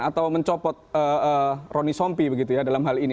atau mencopot rony sompi begitu ya dalam hal ini